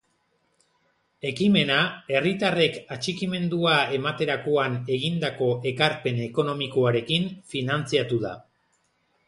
Ekimena herritarrek atxikimendua ematerakoan egindako ekarpen ekonomikoarekin finantzatu da.